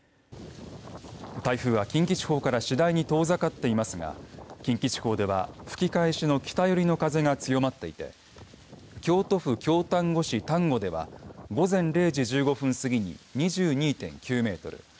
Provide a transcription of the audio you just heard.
台風は近畿地方から次第に遠ざかっていますが近畿地方では吹き返しの北寄りの風が強まっていて京都府京丹後市丹後では午前０時１５分過ぎに２２．９メートル